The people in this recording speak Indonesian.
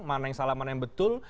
mana yang salah mana yang betul